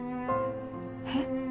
えっ？